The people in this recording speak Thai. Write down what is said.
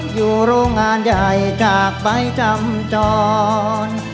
อยู่โรงงานใหญ่จากใบจำจร